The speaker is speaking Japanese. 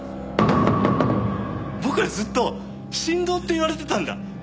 僕はずっと神童って言われてたんだ。